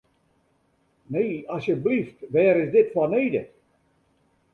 Nee, asjeblyft, wêr is dit foar nedich?